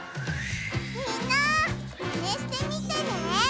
みんなマネしてみてね！